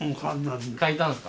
描いたんですか？